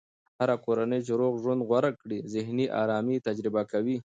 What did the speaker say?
هره کورنۍ چې روغ ژوند غوره کړي، ذهني ارامي تجربه کوي.